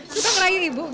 suka ngerayu ibu